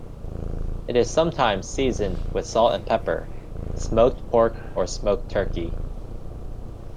It is sometimes seasoned with salt and pepper, smoked pork or smoked turkey.